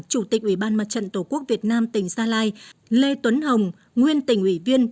chủ tịch ủy ban mặt trận tổ quốc việt nam tỉnh gia lai lê tuấn hồng nguyên tỉnh ủy viên